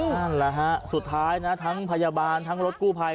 นั่นแหละฮะสุดท้ายนะทั้งพยาบาลทั้งรถกู้ภัย